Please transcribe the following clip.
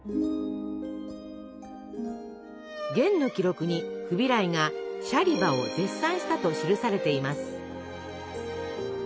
元の記録にフビライが「シャリバ」を絶賛したと記されています。